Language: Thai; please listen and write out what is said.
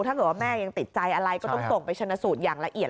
ถ้าเกิดว่าแม่ยังติดใจอะไรก็ต้องส่งไปชนะสูตรอย่างละเอียด